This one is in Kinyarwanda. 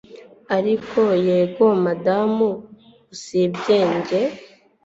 Ariko yego Madamu usibye njye